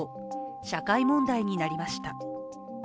社会問題になりました。